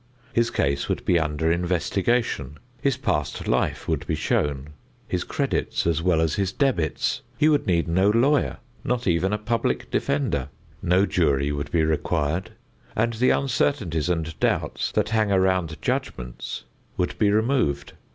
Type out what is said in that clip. His case would be under investigation; his past life would be shown, his credits as well as his debits; he would need no lawyer, not even a public defender; no jury would be required, and the uncertainties and doubts that hang around judgments would be removed.